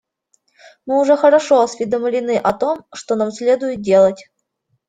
Мы уже хорошо осведомлены о том, что нам следует делать.